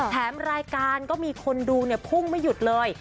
แถมรายการก็มีคนดูเนี่ยพุ่งไม่หยุดเลย